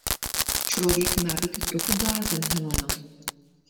Člověk má být trochu blázen, Heleno.